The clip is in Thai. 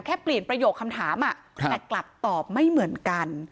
แค่เปลี่ยนประโยคคำถามแต่กลับตอบไม่เหมือนกัน